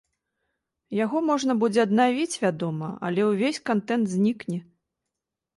Яго можна будзе аднавіць, вядома, але увесь кантэнт знікне.